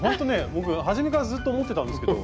僕初めからずっと思ってたんですけど。